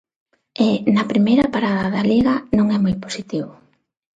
E, na primeira parada da Liga, non é moi positivo.